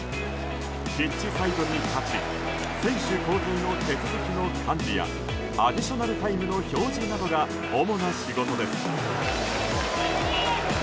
ピッチサイドに立ち選手交代の手続きの管理やアディショナルタイムの表示などが主な仕事です。